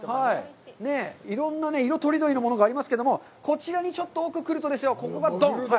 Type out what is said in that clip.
いろんな色とりどりのものがありますけれども、こちらにちょっと奥に来るとですよ、ここがどん！